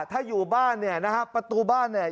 ถ้าอยู่บ้านเนี่ยนะฮะประตูบ้านเนี่ย